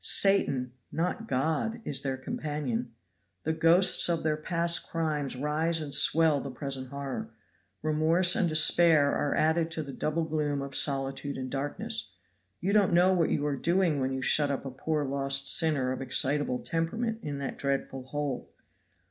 Satan not God is their companion. The ghosts of their past crimes rise and swell the present horror. Remorse and despair are added to the double gloom of solitude and darkness. You don't know what you are doing when you shut up a poor lost sinner of excitable temperament in that dreadful hole.